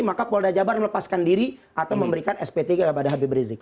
maka polda jabar melepaskan diri atau memberikan sp tiga kepada habib rizik